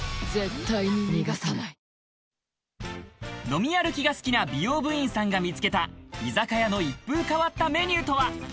飲み歩きが好きな美容部員さんが見つけた居酒屋の一風変わったメニューとは？